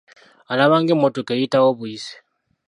Alaba ng'emmotoka eyitawo obuyisi.